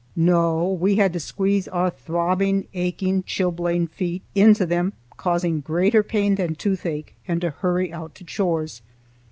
No, we had to squeeze our throbbing, aching, chilblained feet into them, causing greater pain than toothache, and hurry out to chores.